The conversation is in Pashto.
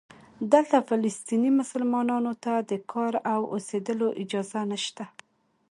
دلته فلسطینی مسلمانانو ته د کار او اوسېدلو اجازه نشته.